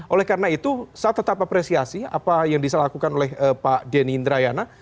oleh karena itu saya tetap apresiasi apa yang bisa dilakukan oleh pak denny indrayana